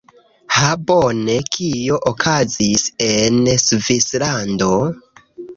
Ha bone. Kio okazis en Svislando?